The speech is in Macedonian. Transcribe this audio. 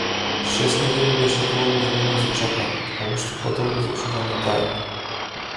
Шест недели беше долго време за чекање, а уште подолго за чување на тајна.